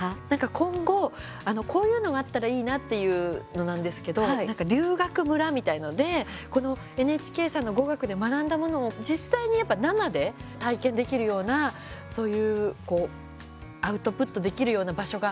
今後こういうのがあったらいいなっていうのなんですけど留学村みたいので、このＮＨＫさんの語学で学んだものを実際に生で体験できるようなそういうアウトプットできるような場所があったら。